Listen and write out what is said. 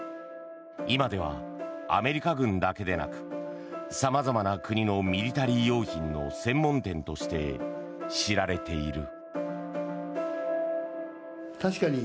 今ではアメリカ軍だけでなくさまざまな国のミリタリー用品の専門店として知られている。